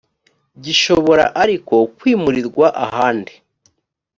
gishobora ariko kwimurirwa ahandi